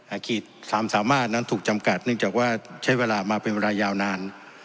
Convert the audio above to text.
ขีดสามสามารถนั้นถูกจำกัดเนื่องจากว่าใช้เวลามาเป็นเวลายาวนาน